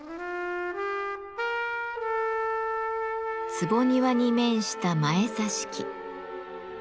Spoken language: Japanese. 坪庭に面した「前座敷」。